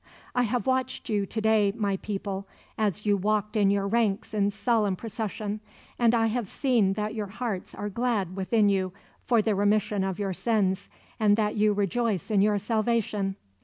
"I have watched you to day, my people, as you walked in your ranks in solemn procession; and I have seen that your hearts are glad within you for the remission of your sins, and that you rejoice in your salvation.